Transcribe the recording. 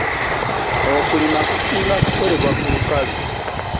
Okulima kusinga ku kolebwa ku lukalu.